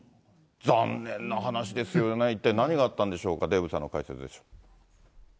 残念な話ですよね、一体何があったんでしょうか、デーブさんが解説します。